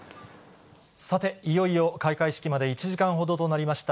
さて、いよいよ開会式まで１時間ほどとなりました。